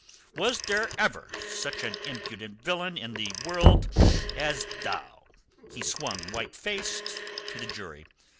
Was there ever such an impudent villain in the world as thou?" He swung, white faced, to the jury.